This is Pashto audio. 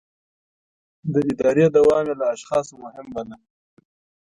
د ادارې دوام يې له اشخاصو مهم باله.